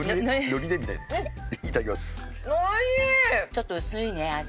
ちょっと薄いね味。